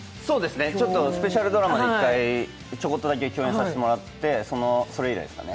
スペシャルドラマで１回だけ共演させてもらって、それ以来ですね。